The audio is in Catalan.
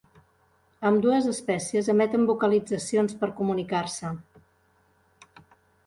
Ambdues espècies emeten vocalitzacions per comunicar-se.